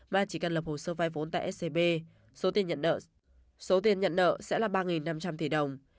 mà chỉ cần lập hồ sơ vai vốn tại scb số tiền nhận nợ sẽ là ba năm trăm linh tỷ đồng